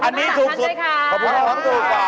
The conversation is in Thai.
อันนี้ถูกกว่าคุณฝนคุณฝนบ้าง